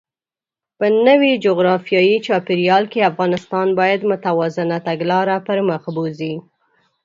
په نوي جغرافیايي چاپېریال کې، افغانستان باید متوازنه تګلاره پرمخ بوځي.